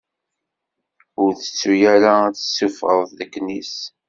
Ur tettu ara ad tessufɣeḍ leknis!